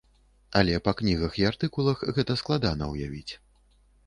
Але па кнігах і артыкулах гэта складана ўявіць.